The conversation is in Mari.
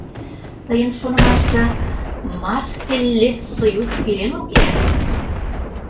— Тыйын шонымаште Марсельлессоюз илен ок керт?